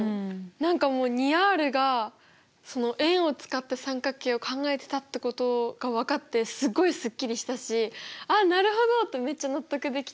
何かもう２Ｒが円を使った三角形を考えてたってことが分かってすごいすっきりしたし「あっなるほど！」ってめっちゃ納得できた。